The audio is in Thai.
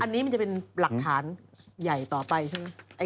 อันนี้มันจะเป็นหลักฐานใหญ่ต่อไปใช่ไหม